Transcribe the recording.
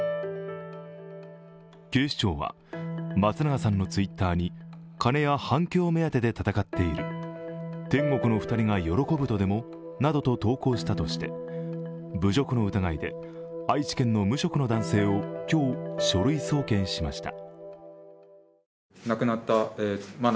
警視庁は松永さんのＴｗｉｔｔｅｒに金や反響目当てで戦っている天国の２人が喜ぶとでも？などと投降したとして侮辱の疑いで、愛知県の無職の男性を今日、書類送検しました。